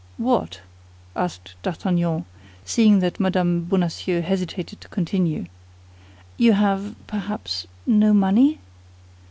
"What?" asked D'Artagnan, seeing that Mme. Bonacieux hesitated to continue. "You have, perhaps, no money?"